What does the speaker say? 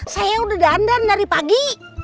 saya udah dandan dari pagi